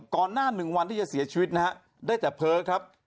ก่อนหน้า๑วันที่จะเสียชีวิตนะฮะได้แต่เพ้อครับ